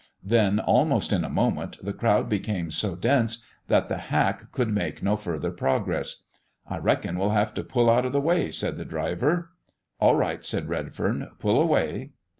Then, almost in a moment, the crowd became so dense that the hack could make no further progress. "I reckon we'll have to pull out of the way," said the driver. "All right," said Redfern; "pull away."